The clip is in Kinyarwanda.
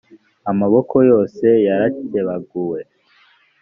amaboko yose yarakebaguwe